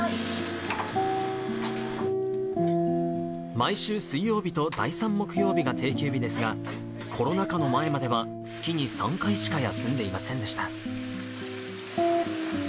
毎週水曜日と第３木曜日が定休日ですが、コロナ禍の前までは、月に３回しか休んでいませんでした。